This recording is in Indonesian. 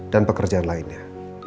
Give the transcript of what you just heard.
dan pekerjaan lainnya